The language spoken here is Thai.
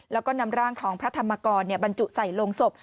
แล้วก็นำร่างของพระธรรมกรบรรจุใส่ลงศพ